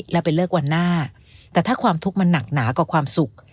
แล้วไปเลิกวันหน้าแต่ถ้าความทุกข์มันหนักหนากว่าความสุข